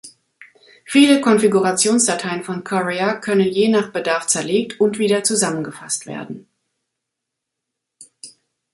Viele Konfigurationsdateien von Courier können je nach Bedarf zerlegt und wieder zusammengefasst werden.